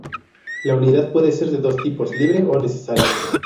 La unidad puede ser de dos tipos: libre o necesaria.